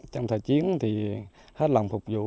trong thời chiến thì hết lòng phục vụ